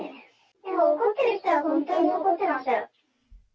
でも怒っている人は本当に怒ってましたよ。